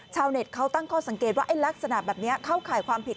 ชาวเน็ตเขาตั้งข้อสังเกตว่าลักษณะแบบนี้เข้าข่ายความผิด